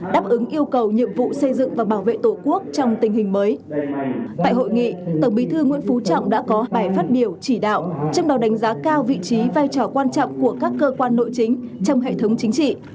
tại hội nghị tổng bí thư nguyễn phú trọng đã có bài phát biểu chỉ đạo trong đó đánh giá cao vị trí vai trò quan trọng của các cơ quan nội chính trong hệ thống chính trị